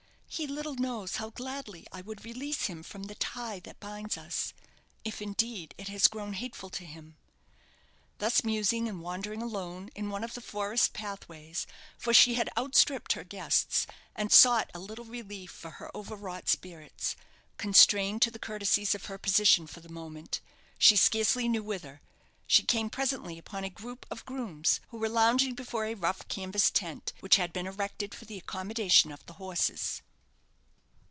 He little knows how gladly I would release him from the tie that binds us if, indeed, it has grown hateful to him." Thus musing and wandering alone, in one of the forest pathways for she had outstripped her guests, and sought a little relief for her overwrought spirits, constrained to the courtesies of her position for the moment she scarcely knew whither, she came presently upon a group of grooms, who were lounging before a rough canvas tent, which had been erected for the accommodation of the horses.